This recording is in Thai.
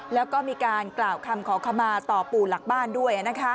แล้วก็มีการกล่าวคำขอขมาต่อปู่หลักบ้านด้วย